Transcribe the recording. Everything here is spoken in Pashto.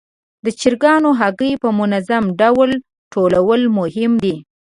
د چرګانو هګۍ په منظم ډول ټولول مهم دي.